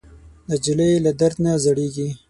نجلۍ له درد نه زړېږي.